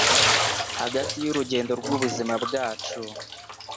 Hagati y'urugendo rw'ubuzima bwacu